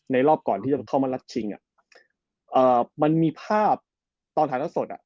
ในรอบก่อนที่จะเข้ามาลัดชิงอ่ะเอ่อมันมีภาพตอนฐานทักษศจรษฐ์อะ